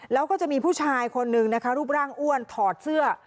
แล้วก็จะมีผู้ชายคนนึงนะคะรูปร่างอ้วนถอดเสื้อ